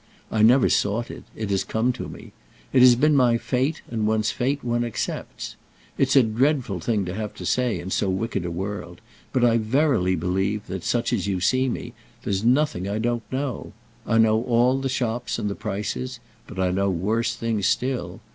I never sought it—it has come to me. It has been my fate, and one's fate one accepts. It's a dreadful thing to have to say, in so wicked a world, but I verily believe that, such as you see me, there's nothing I don't know. I know all the shops and the prices—but I know worse things still.